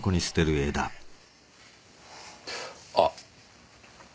あっ。